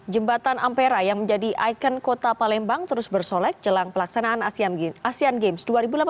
jembatan ampera yang menjadi ikon kota palembang terus bersolek jelang pelaksanaan asean games dua ribu delapan belas